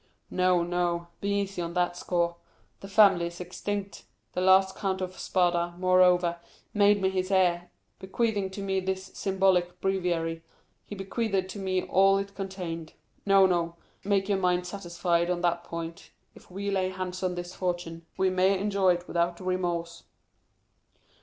"No, no, be easy on that score; the family is extinct. The last Count of Spada, moreover, made me his heir, bequeathing to me this symbolic breviary, he bequeathed to me all it contained; no, no, make your mind satisfied on that point. If we lay hands on this fortune, we may enjoy it without remorse."